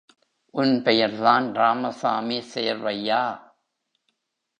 உன் பெயர்தான் ராமசாமி சேர்வையா?